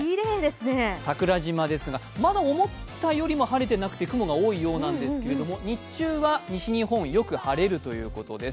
桜島ですがまだ思ったよりも晴れていなくて雲が多いようなんですけど日中は西日本よく晴れるようです。